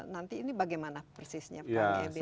nanti ini bagaimana persisnya pak ebil bisa dijelaskan